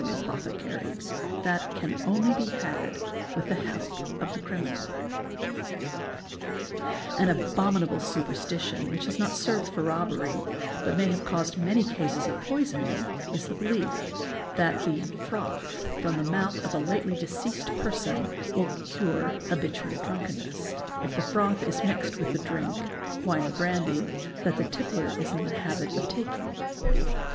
7 ; "a An abominable superstition which has not served for robbery, but may have caused many cases of poisoning, is the belief that the froth from the mouth of a lately deceased person will cure habitual drunkenness, pif the froth be mixed with the drink (wine, brandy) that the tippler is ; in the habit of taking.